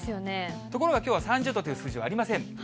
ところがきょうは３０度という数字はありません。